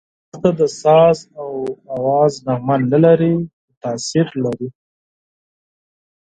دښته د ساز او آواز نغمه نه لري، خو تاثیر لري.